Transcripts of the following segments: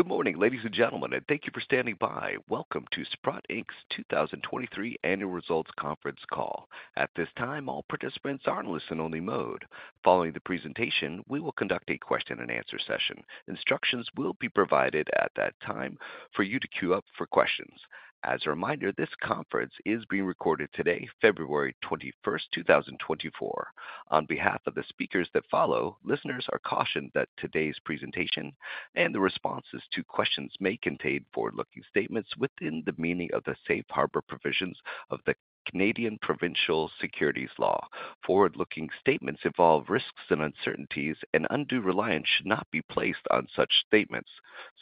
Good morning, ladies and gentlemen, and thank you for standing by. Welcome to Sprott Inc.'s 2023 Annual Results Conference call. At this time, all participants are in listen-only mode. Following the presentation, we will conduct a question-and-answer session. Instructions will be provided at that time for you to queue up for questions. As a reminder, this conference is being recorded today, February 21, 2024. On behalf of the speakers that follow, listeners are cautioned that today's presentation and the responses to questions may contain forward-looking statements within the meaning of the Safe Harbor provisions of the Canadian Provincial Securities Law. Forward-looking statements involve risks and uncertainties, and undue reliance should not be placed on such statements.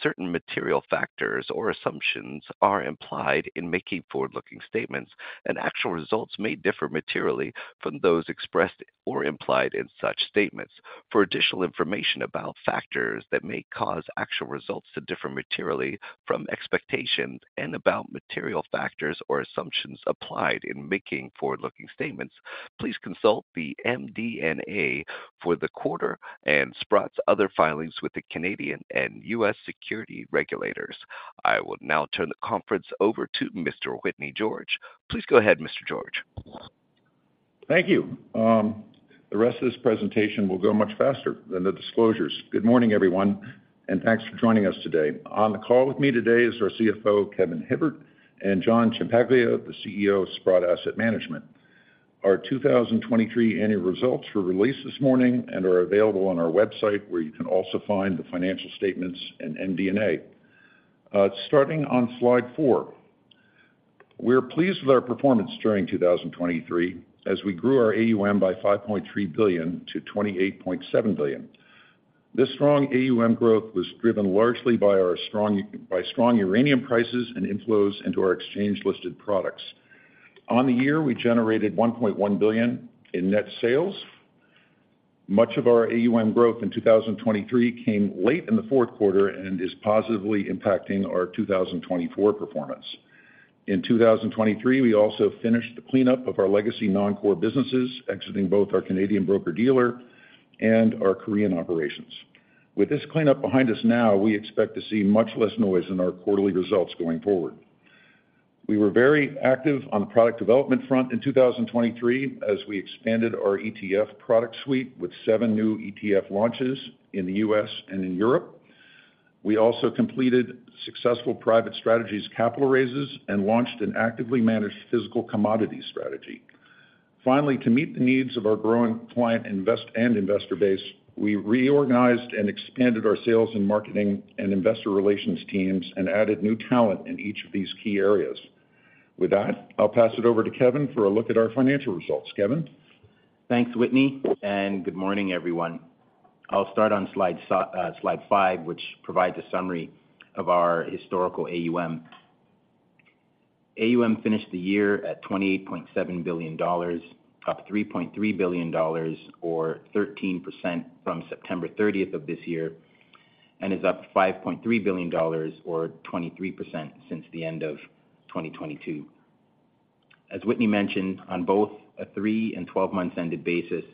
Certain material factors or assumptions are implied in making forward-looking statements, and actual results may differ materially from those expressed or implied in such statements. For additional information about factors that may cause actual results to differ materially from expectations and about material factors or assumptions applied in making forward-looking statements, please consult the MD&A for the quarter and Sprott's other filings with the Canadian and U.S. securities regulators. I will now turn the conference over to Mr. Whitney George. Please go ahead, Mr. George. Thank you. The rest of this presentation will go much faster than the disclosures. Good morning, everyone, and thanks for joining us today. On the call with me today is our CFO, Kevin Hibbert, and John Ciampaglia, the CEO of Sprott Asset Management. Our 2023 Annual Results were released this morning and are available on our website, where you can also find the financial statements and MD&A. Starting on slide four, we're pleased with our performance during 2023 as we grew our AUM by $5.3 billion to $28.7 billion. This strong AUM growth was driven largely by our strong uranium prices and inflows into our exchange-listed products. On the year, we generated $1.1 billion in net sales. Much of our AUM growth in 2023 came late in the fourth quarter and is positively impacting our 2024 performance. In 2023, we also finished the cleanup of our legacy non-core businesses, exiting both our Canadian broker-dealer and our Korean operations. With this cleanup behind us now, we expect to see much less noise in our quarterly results going forward. We were very active on the product development front in 2023 as we expanded our ETF product suite with seven new ETF launches in the U.S. and in Europe. We also completed successful private strategies capital raises and launched an actively managed physical commodities strategy. Finally, to meet the needs of our growing client invest and investor base, we reorganized and expanded our sales and marketing and investor relations teams and added new talent in each of these key areas. With that, I'll pass it over to Kevin for a look at our financial results. Kevin? Thanks, Whitney, and good morning, everyone. I'll start on slide five, which provides a summary of our historical AUM. AUM finished the year at $28.7 billion, up $3.3 billion, or 13% from September 30th of this year, and is up $5.3 billion, or 23%, since the end of 2022. As Whitney mentioned, on both a three- and 12-months-ended basis,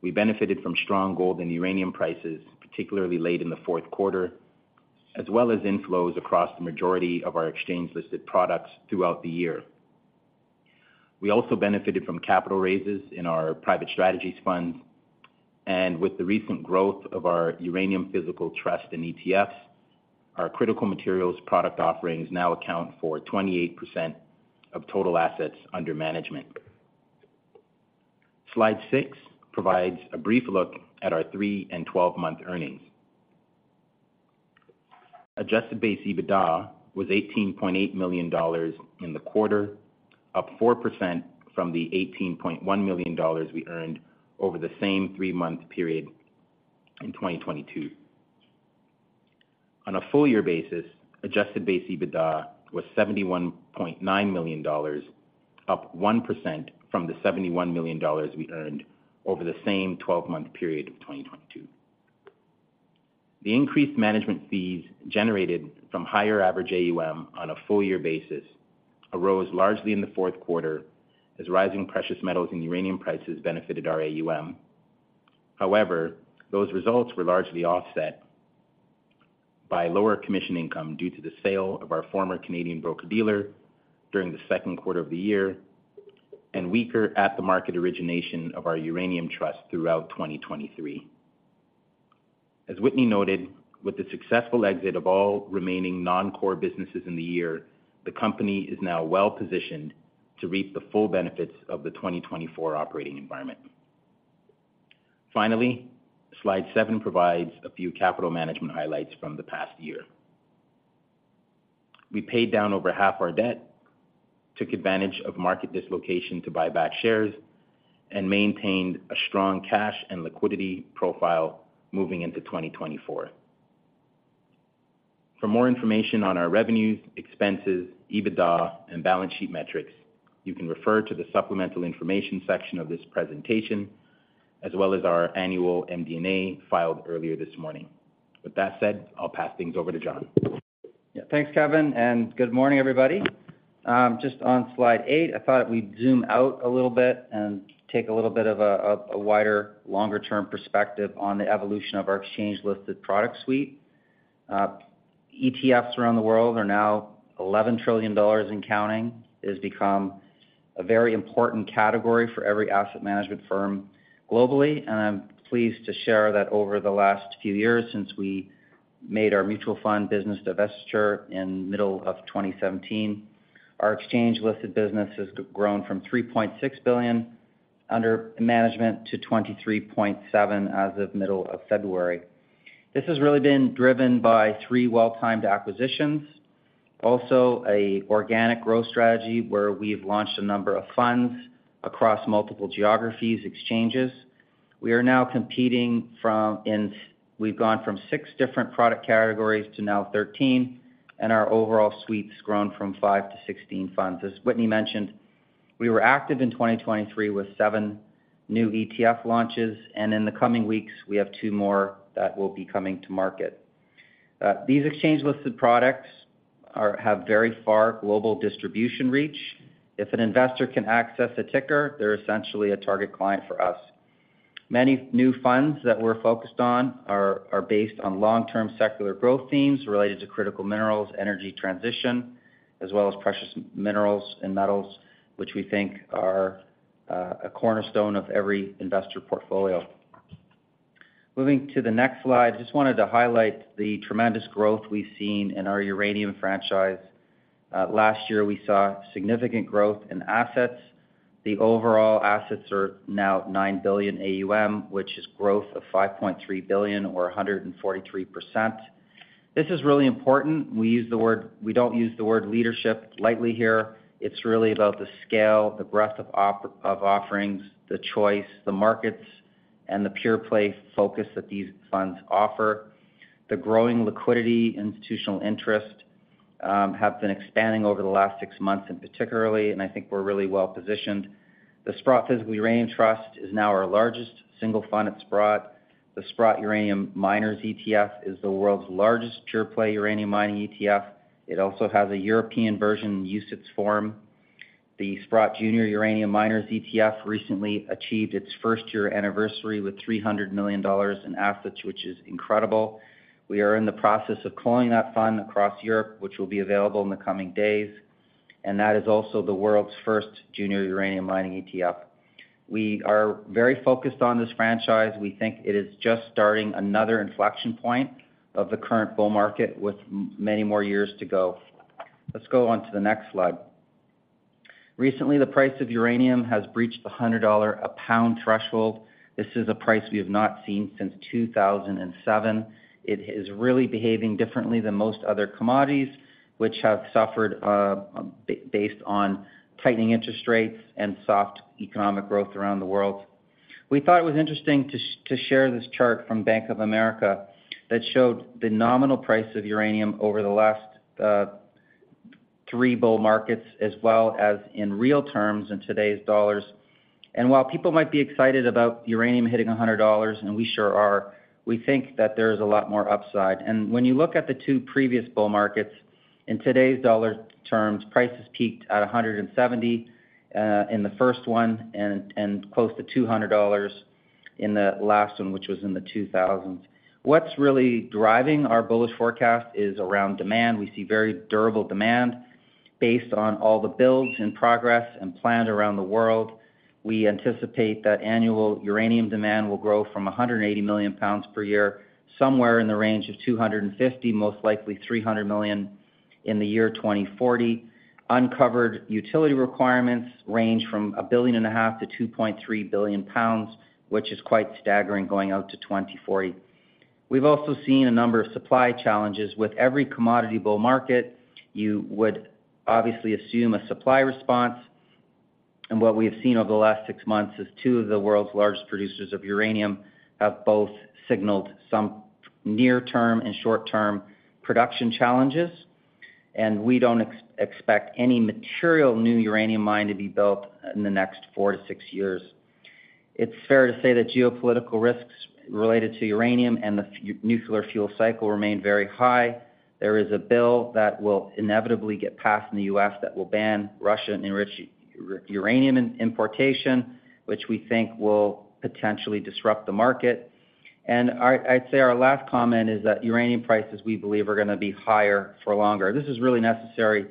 we benefited from strong gold and uranium prices, particularly late in the fourth quarter, as well as inflows across the majority of our exchange-listed products throughout the year. We also benefited from capital raises in our private strategies funds, and with the recent growth of our uranium physical trust and ETFs, our critical materials product offerings now account for 28% of total assets under management. Slide six provides a brief look at our three- and 12-month earnings. Adjusted base EBITDA was $18.8 million in the quarter, up 4% from the $18.1 million we earned over the same three-month period in 2022. On a full-year basis, adjusted base EBITDA was $71.9 million, up 1% from the $71 million we earned over the same 12-month period of 2022. The increased management fees generated from higher average AUM on a full-year basis arose largely in the fourth quarter as rising precious metals and uranium prices benefited our AUM. However, those results were largely offset by lower commission income due to the sale of our former Canadian broker-dealer during the second quarter of the year and weaker at-the-market origination of our uranium trust throughout 2023. As Whitney noted, with the successful exit of all remaining non-core businesses in the year, the company is now well-positioned to reap the full benefits of the 2024 operating environment. Finally, slide seven provides a few capital management highlights from the past year. We paid down over half our debt, took advantage of market dislocation to buy back shares, and maintained a strong cash and liquidity profile moving into 2024. For more information on our revenues, expenses, EBITDA, and balance sheet metrics, you can refer to the supplemental information section of this presentation, as well as our annual MD&A filed earlier this morning. With that said, I'll pass things over to John. Yeah, thanks, Kevin, and good morning, everybody. Just on slide eight. I thought we'd zoom out a little bit and take a little bit of a wider, longer-term perspective on the evolution of our exchange-listed product suite. ETFs around the world are now $11 trillion and counting. [It] has become a very important category for every asset management firm globally, and I'm pleased to share that over the last few years since we made our mutual fund business divestiture in the middle of 2017, our exchange-listed business has grown from $3.6 billion under management to $23.7 billion as of the middle of February. This has really been driven by three well-timed acquisitions, also an organic growth strategy where we've launched a number of funds across multiple geographies, exchanges. We are now competing. From inception, we've gone from six different product categories to now 13, and our overall suite's grown from five to 16 funds. As Whitney mentioned, we were active in 2023 with seven new ETF launches, and in the coming weeks, we have two more that will be coming to market. These exchange-listed products have very far global distribution reach. If an investor can access a ticker, they're essentially a target client for us. Many new funds that we're focused on are based on long-term secular growth themes related to critical minerals, energy transition, as well as precious minerals and metals, which we think are a cornerstone of every investor portfolio. Moving to the next slide, I just wanted to highlight the tremendous growth we've seen in our uranium franchise. Last year, we saw significant growth in assets. The overall assets are now $9 billion AUM, which is growth of $5.3 billion, or 143%. This is really important. We use the word we don't use the word leadership lightly here. It's really about the scale, the breadth of offerings, the choice, the markets, and the pure play focus that these funds offer. The growing liquidity, institutional interest, have been expanding over the last six months in particular, and I think we're really well-positioned. The Sprott Physical Uranium Trust is now our largest single fund at Sprott. The Sprott Uranium Miners ETF is the world's largest pure play uranium mining ETF. It also has a European version in UCITS form. The Sprott Junior Uranium Miners ETF recently achieved its first-year anniversary with $300 million in assets, which is incredible. We are in the process of rolling that fund across Europe, which will be available in the coming days, and that is also the world's first junior uranium mining ETF. We are very focused on this franchise. We think it is just starting another inflection point of the current bull market with many more years to go. Let's go on to the next slide. Recently, the price of uranium has breached the $100 a pound threshold. This is a price we have not seen since 2007. It is really behaving differently than most other commodities, which have suffered based on tightening interest rates and soft economic growth around the world. We thought it was interesting to share this chart from Bank of America that showed the nominal price of uranium over the last three bull markets, as well as in real terms in today's dollars. While people might be excited about uranium hitting $100, and we sure are, we think that there is a lot more upside. When you look at the two previous bull markets, in today's dollar terms, prices peaked at $170 in the first one and close to $200 in the last one, which was in the 2000s. What's really driving our bullish forecast is around demand. We see very durable demand based on all the builds in progress and planned around the world. We anticipate that annual uranium demand will grow from 180 million pounds per year somewhere in the range of 250 million pounds, most likely 300 million pounds in the year 2040. Uncovered utility requirements range from 1.5 billion-2.3 billion pounds, which is quite staggering going out to 2040. We've also seen a number of supply challenges. With every commodity bull market, you would obviously assume a supply response. What we have seen over the last six months is two of the world's largest producers of uranium have both signaled some near-term and short-term production challenges, and we don't expect any material new uranium mine to be built in the next four-six years. It's fair to say that geopolitical risks related to uranium and the nuclear fuel cycle remain very high. There is a bill that will inevitably get passed in the U.S. that will ban Russia and enriched uranium importation, which we think will potentially disrupt the market. And I'd say our last comment is that uranium prices, we believe, are going to be higher for longer. This is really necessary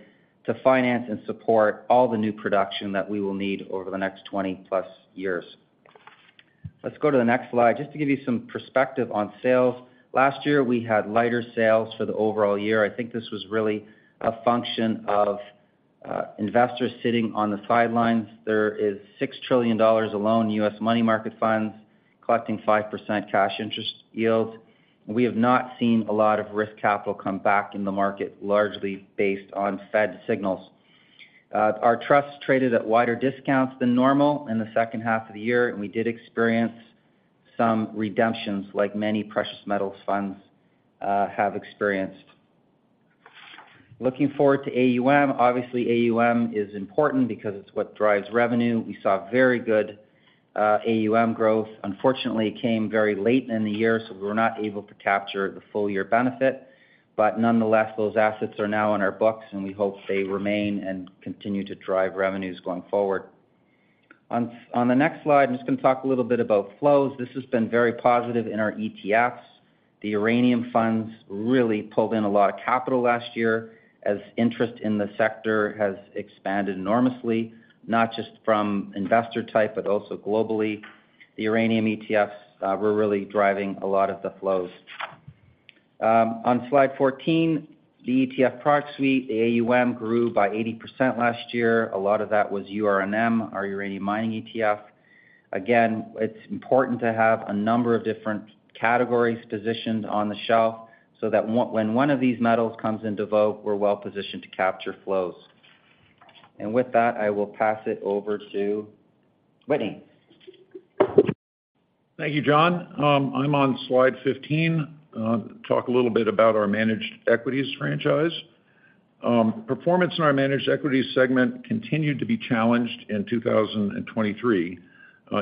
to finance and support all the new production that we will need over the next 20+ years. Let's go to the next slide. Just to give you some perspective on sales, last year, we had lighter sales for the overall year. I think this was really a function of investors sitting on the sidelines. There is $6 trillion alone U.S. money market funds collecting 5% cash interest yields. We have not seen a lot of risk capital come back in the market, largely based on Fed signals. Our trusts traded at wider discounts than normal in the second half of the year, and we did experience some redemptions, like many precious metals funds, have experienced. Looking forward to AUM, obviously, AUM is important because it's what drives revenue. We saw very good AUM growth. Unfortunately, it came very late in the year, so we were not able to capture the full-year benefit. But nonetheless, those assets are now on our books, and we hope they remain and continue to drive revenues going forward. On the next slide, I'm just going to talk a little bit about flows. This has been very positive in our ETFs. The uranium funds really pulled in a lot of capital last year as interest in the sector has expanded enormously, not just from investor type but also globally. The uranium ETFs were really driving a lot of the flows. On slide 14, the ETF product suite, the AUM grew by 80% last year. A lot of that was URNM, our uranium mining ETF. Again, it's important to have a number of different categories positioned on the shelf so that when one of these metals comes into vogue, we're well-positioned to capture flows. And with that, I will pass it over to Whitney. Thank you, John. I'm on slide 15 to talk a little bit about our managed equities franchise. Performance in our managed equities segment continued to be challenged in 2023.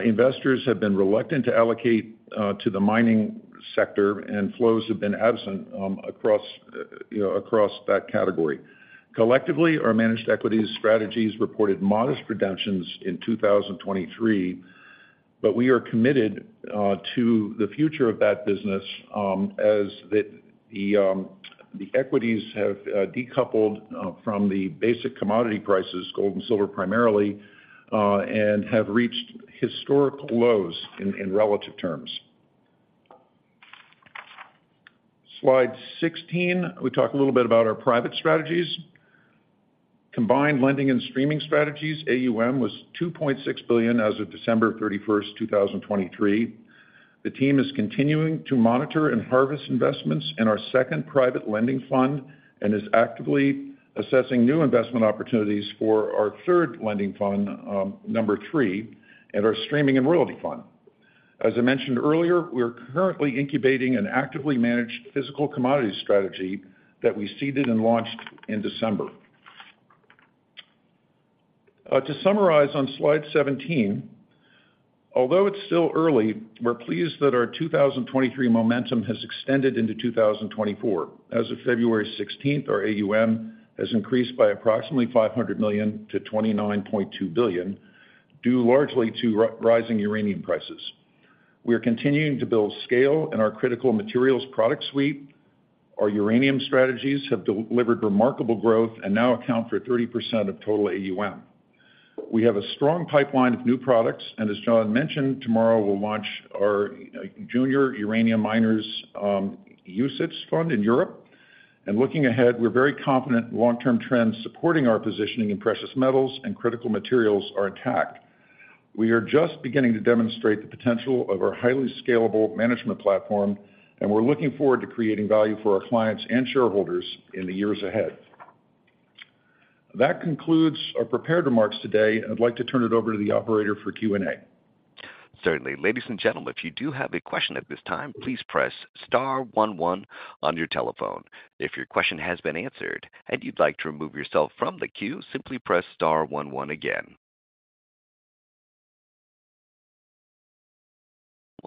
Investors have been reluctant to allocate to the mining sector, and flows have been absent across, you know, across that category. Collectively, our managed equities strategies reported modest redemptions in 2023, but we are committed to the future of that business, as the equities have decoupled from the basic commodity prices, gold and silver primarily, and have reached historical lows in relative terms. Slide 16, we talk a little bit about our private strategies. Combined lending and streaming strategies, AUM was $2.6 billion as of December 31st, 2023. The team is continuing to monitor and harvest investments in our second private lending fund and is actively assessing new investment opportunities for our third lending fund, number three, and our streaming and royalty fund. As I mentioned earlier, we are currently incubating an actively managed physical commodities strategy that we seeded and launched in December. To summarize on slide 17, although it's still early, we're pleased that our 2023 momentum has extended into 2024. As of February 16th, our AUM has increased by approximately $500 million to $29.2 billion, due largely to rising uranium prices. We are continuing to build scale in our critical materials product suite. Our uranium strategies have delivered remarkable growth and now account for 30% of total AUM. We have a strong pipeline of new products, and as John mentioned, tomorrow we'll launch our Junior Uranium Miners UCITS fund in Europe. Looking ahead, we're very confident long-term trends supporting our positioning in precious metals and critical materials are intact. We are just beginning to demonstrate the potential of our highly scalable management platform, and we're looking forward to creating value for our clients and shareholders in the years ahead. That concludes our prepared remarks today, and I'd like to turn it over to the operator for Q&A. Certainly. Ladies and gentlemen, if you do have a question at this time, please press star one one on your telephone. If your question has been answered and you'd like to remove yourself from the queue, simply press star one one again.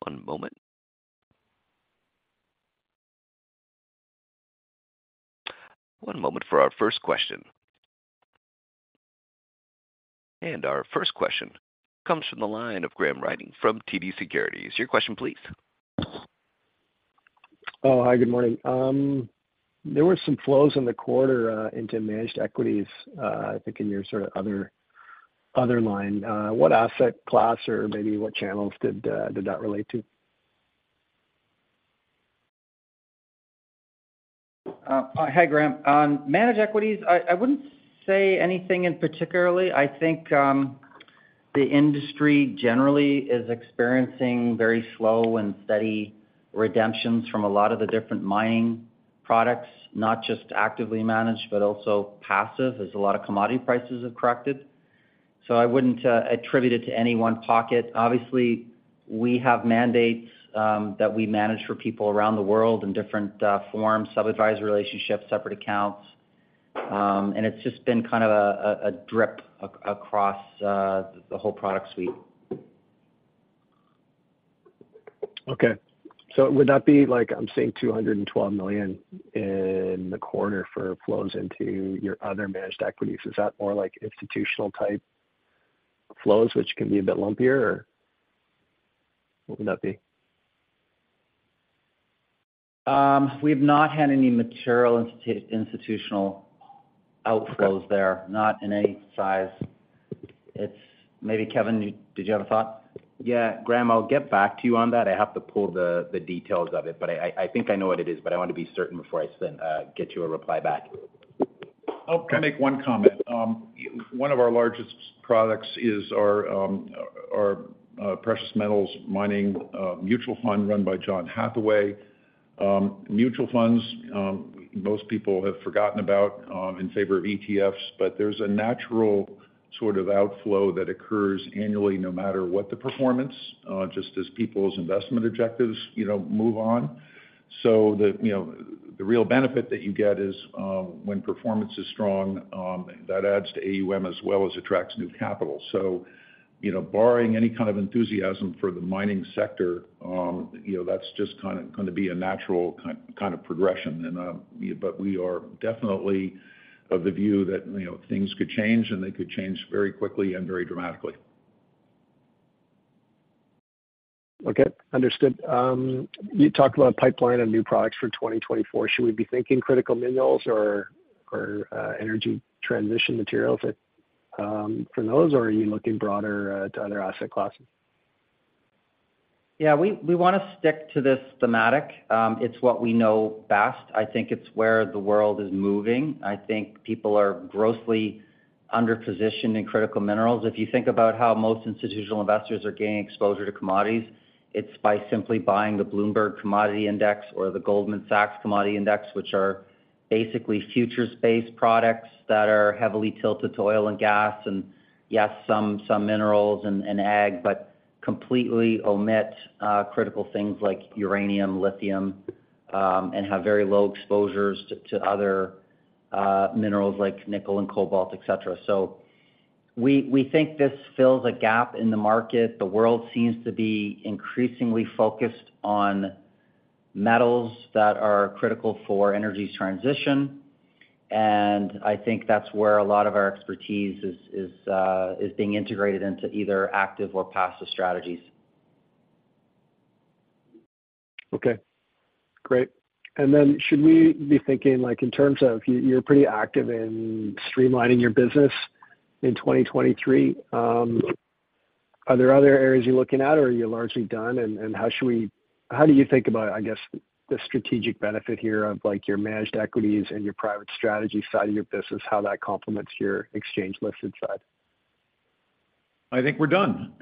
One moment. One moment for our first question. Our first question comes from the line of Graham Ryding from TD Securities. Your question, please. Oh, hi. Good morning. There were some flows in the quarter into managed equities, I think in your sort of other line. What asset class or maybe what channels did that relate to? Hi, Graham. On managed equities, I wouldn't say anything in particular. I think the industry generally is experiencing very slow and steady redemptions from a lot of the different mining products, not just actively managed but also passive, as a lot of commodity prices have corrected. So I wouldn't attribute it to any one pocket. Obviously, we have mandates that we manage for people around the world in different forms: subadvisor relationships, separate accounts. It's just been kind of a drip across the whole product suite. Okay. So would that be, like, I'm seeing $212 million in the quarter for flows into your other managed equities. Is that more like institutional-type flows, which can be a bit lumpier, or what would that be? We have not had any material institutional outflows there, not in any size. It's maybe, Kevin, did you have a thought? Yeah, Graham, I'll get back to you on that. I have to pull the details of it, but I think I know what it is, but I want to be certain before I get you a reply back. Oh, can I make one comment? One of our largest products is our precious metals mining mutual fund run by John Hathaway. Mutual funds, most people have forgotten about, in favor of ETFs, but there's a natural sort of outflow that occurs annually no matter what the performance, just as people's investment objectives, you know, move on. So, you know, the real benefit that you get is, when performance is strong, that adds to AUM as well as attracts new capital. So, you know, barring any kind of enthusiasm for the mining sector, you know, that's just kind of going to be a natural kind of progression. But we are definitely of the view that, you know, things could change, and they could change very quickly and very dramatically. Okay. Understood. You talked about a pipeline of new products for 2024. Should we be thinking critical minerals or, or, energy transition materials at, for those, or are you looking broader, to other asset classes? Yeah. We want to stick to this thematic. It's what we know best. I think it's where the world is moving. I think people are grossly underpositioned in critical minerals. If you think about how most institutional investors are gaining exposure to commodities, it's by simply buying the Bloomberg Commodity Index or the Goldman Sachs Commodity Index, which are basically futures-based products that are heavily tilted to oil and gas and, yes, some minerals and ag, but completely omit critical things like uranium, lithium, and have very low exposures to other minerals like nickel and cobalt, etc. So we think this fills a gap in the market. The world seems to be increasingly focused on metals that are critical for energy transition, and I think that's where a lot of our expertise is being integrated into either active or passive strategies. Okay. Great. And then should we be thinking, like, in terms of you, you're pretty active in streamlining your business in 2023. Are there other areas you're looking at, or are you largely done, and, and how should we how do you think about, I guess, the strategic benefit here of, like, your managed equities and your private strategy side of your business, how that complements your exchange-listed side? I think we're done.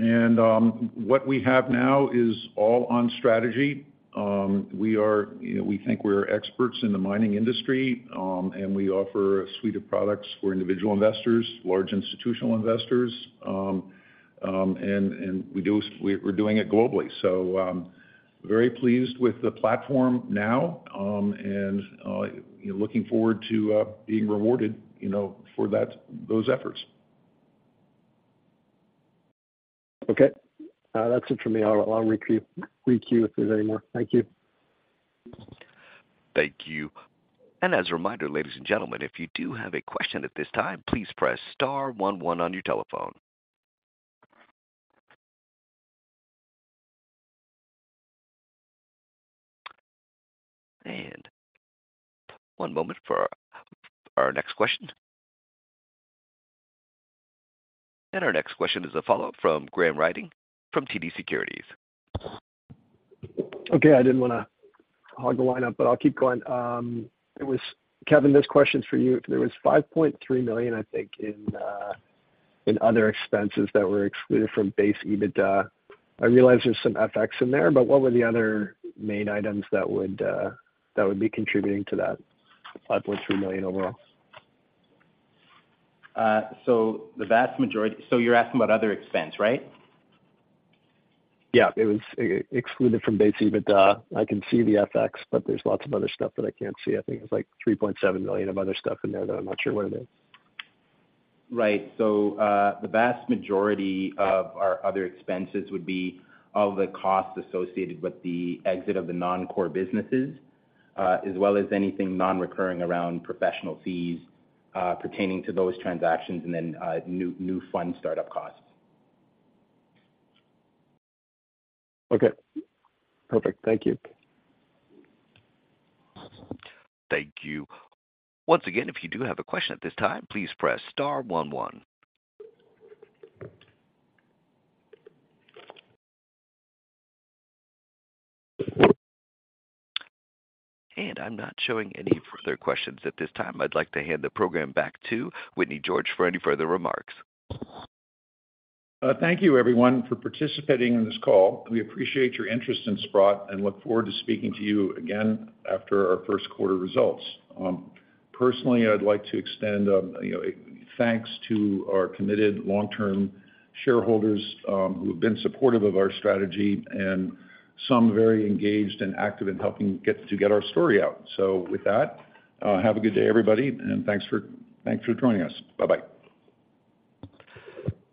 What we have now is all on strategy. We are, you know, we think we're experts in the mining industry, and we offer a suite of products for individual investors, large institutional investors. And we do so, we're, we're doing it globally. So, very pleased with the platform now, and, you know, looking forward to being rewarded, you know, for that those efforts. Okay. That's it from me. I'll reach you if there's any more. Thank you. Thank you. As a reminder, ladies and gentlemen, if you do have a question at this time, please press star one one on your telephone. One moment for our next question. Our next question is a follow-up from Graham Ryding from TD Securities. Okay. I didn't want to hog the lineup, but I'll keep going. It was Kevin, this question's for you. There was $5.3 million, I think, in other expenses that were excluded from base EBITDA. I realize there's some FX in there, but what were the other main items that would be contributing to that $5.3 million overall? So the vast majority, so you're asking about other expense, right? Yeah. It was excluded from base EBITDA. I can see the FX, but there's lots of other stuff that I can't see. I think there's, like, $3.7 million of other stuff in there that I'm not sure what it is. Right. So, the vast majority of our other expenses would be all the costs associated with the exit of the non-core businesses, as well as anything non-recurring around professional fees, pertaining to those transactions, and then, new fund startup costs. Okay. Perfect. Thank you. Thank you. Once again, if you do have a question at this time, please press star one one. I'm not showing any further questions at this time. I'd like to hand the program back to Whitney George for any further remarks. Thank you, everyone, for participating in this call. We appreciate your interest in Sprott and look forward to speaking to you again after our first quarter results. Personally, I'd like to extend, you know, a thanks to our committed long-term shareholders, who have been supportive of our strategy and some very engaged and active in helping get our story out. So with that, have a good day, everybody, and thanks for joining us. Bye-bye.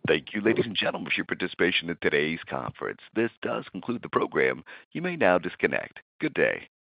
Thank you, ladies and gentlemen, for your participation in today's conference. This does conclude the program. You may now disconnect. Good day.